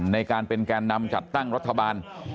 ในการเป็นแกนนำจัดตั้งรัฐบาล